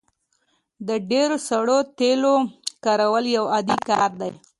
د ډیرو سړو تیلو کارول یو عادي کار دی